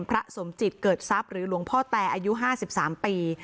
พระสมจิตเกิดทรัพย์หรือหลวงพ่อแตอายุ๕๓ปี